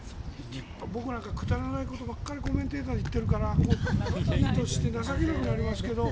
僕なんかくだらないことばっかりコメンテーターで言っているからいい年して情けなくなりますけど。